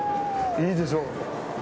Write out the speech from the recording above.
いいでしょう？